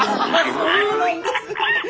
そうなんです。